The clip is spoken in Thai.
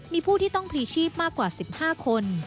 มีผู้ที่ต้องพลีชีพมากกว่า๑๕คน